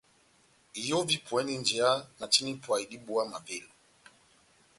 Iyo vipuwɛndi njeya na tina ipwa dibówa mavela.